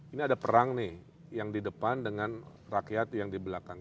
ini ada perang nih yang di depan dengan rakyat yang di belakang